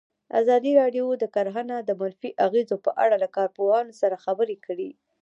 ازادي راډیو د کرهنه د منفي اغېزو په اړه له کارپوهانو سره خبرې کړي.